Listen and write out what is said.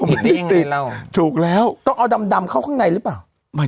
ผิดได้ยังไงเราถูกแล้วต้องเอาดำดำเข้าข้างในหรือเปล่า